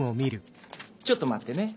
ちょっと待ってね。